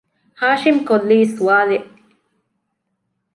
؟ ހާޝިމް ކޮށްލީ ސްވާލެއް